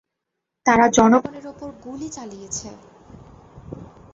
তারা জনগণের ওপর গুলি চালিয়েছে!